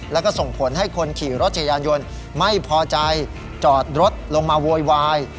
แล้วก็ส่งผลให้คนขี่รถจักรยานยนต์ไม่พอใจจอดรถลงมาโวยวาย